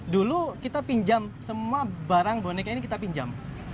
dulu kita pinjam semua barang boneka ini kita pinjam